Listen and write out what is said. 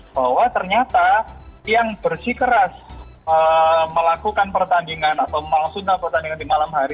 bahwa ternyata yang bersikeras melakukan pertandingan atau memasukkan pertandingan di malam hari